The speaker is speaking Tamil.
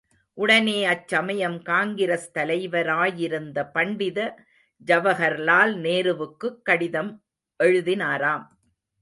உடனே அச்சமயம் காங்கிரஸ் தலைவராயிருந்த பண்டித ஜவஹர்லால் நேருவுக்குக் கடிதம் எழுதினாராம்.